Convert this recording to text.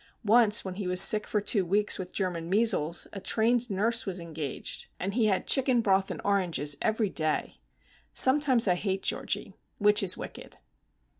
Once when he was sick for two weeks with German measles a trained nurse was engaged, and he had chicken broth and oranges every day. Sometimes I hate Georgie!—which is wicked.